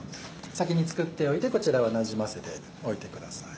先に作っておいてこちらはなじませておいてください。